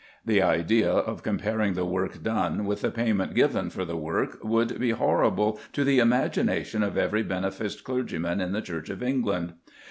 The idea of comparing the work done with the payment given for the work would be horrible to the imagination of every beneficed clergyman in the Church of England.